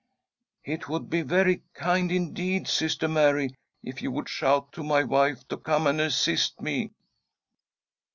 " It would be very kind indeed, Sister Mary, if you would shout to my wife to come and assist me."